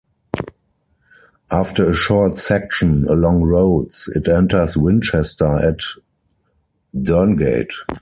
After a short section along roads it enters Winchester at Durngate.